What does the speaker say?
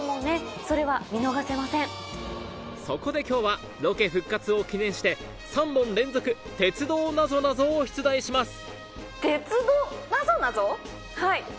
そこで今日はロケ復活を記念して３問連続鉄道なぞなぞを出題しますはい。